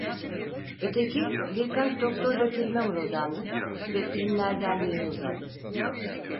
Öteki, birkaç doktorca kelime mırıldandı ve filmlerden birini uzattı.